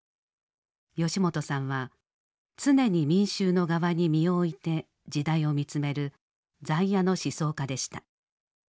吉本さんは常に民衆の側に身を置いて時代を見つめる在野の思想家でした。